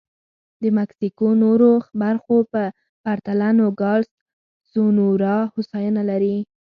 د مکسیکو نورو برخو په پرتله نوګالس سونورا هوساینه لري.